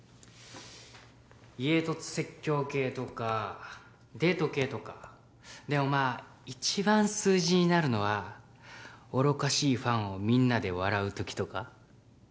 家凸説教系とかデート系とかでもまぁ一番数字になるのは愚かしいファンをみんなで笑う時とか？